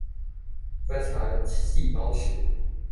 觀察細胞時